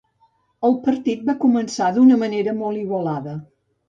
El partit va començar d'una manera molt igualada.